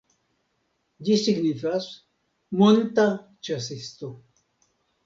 Ĝi signifas "monta ĉasisto".